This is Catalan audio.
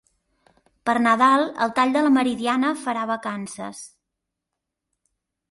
Per Nadal el tall de la Meridiana farà vacances